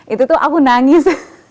itu tuh aku nangis